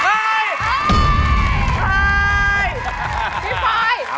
พร้อมนะ